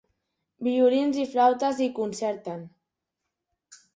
Violins i flautes hi concerten.